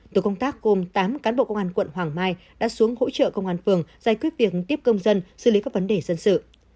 tổ công tác gồm tám cán bộ công an quận hoàng mai đã xuống hỗ trợ công an phường giải quyết việc tiếp công dân xử lý các vấn đề dân sự